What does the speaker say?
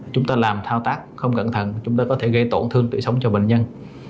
chúng ta làm thao tác không cẩn thận chúng ta có thể gây tổn thương tủy sống cho bệnh nhân